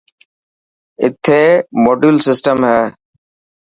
اٿي موڊيول سيٽم هي.